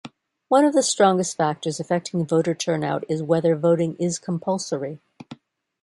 One of the strongest factors affecting voter turnout is whether voting is compulsory.